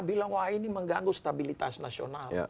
bilang wah ini mengganggu stabilitas nasional